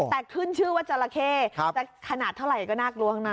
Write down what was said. แต่ขึ้นชื่อว่าจราเข้จะขนาดเท่าไหร่ก็น่ากลัวทั้งนั้น